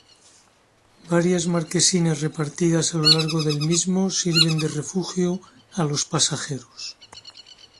Varias marquesinas repartidas a lo largo del mismo sirven de refugio a los pasajeros.